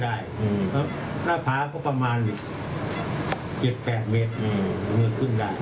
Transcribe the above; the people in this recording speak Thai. เดี๋ยวฟังลุงก้อยนะครับที่ได้เล่าให้ฟัง